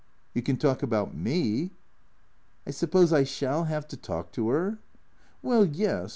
" You can talk about me." "I suppose I shall 'ave to talk to her?" " Well — yes.